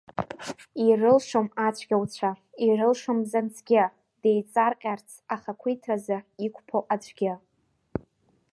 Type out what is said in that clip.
Ирылшом ацәгьауцәа, ирылшом бзанҵгьы, деиҵарҟьарц ахақәиҭразы иқәԥо аӡәгьы.